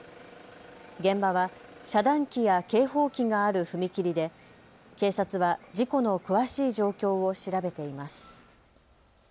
現場は遮断機や警報機がある踏切で警察は事故の詳しい状況を調べています。